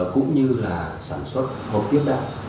cũng như là sản xuất hộp tiếp đại